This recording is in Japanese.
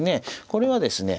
これはですね